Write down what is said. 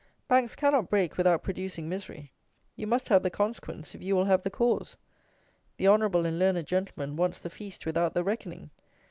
Banks cannot break without producing misery; you must have the consequence if you will have the cause. The honourable and learned Gentleman wants the feast without the reckoning.